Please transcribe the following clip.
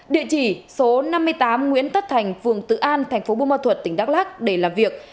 địa chỉ số năm mươi tám nguyễn tất thành phường tự an tp bông ma thuật tỉnh đắk lắc để làm việc